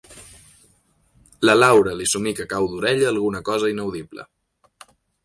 La Laura li somica a cau d'orella alguna cosa inaudible.